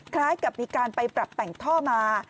คล้ายกับมีการไปปรับแต่งท่อมา